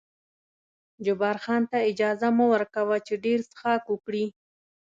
جبار خان ته اجازه مه ور کوه چې ډېر څښاک وکړي.